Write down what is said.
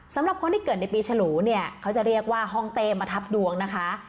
สำหรับคนที่เกิดในปีฉลูเนี่ยเขาจะเรียกว่าห้องเต้มาทับดวงนะคะ